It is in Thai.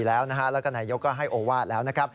และนายกต์ก็ให้โอวาสแล้ว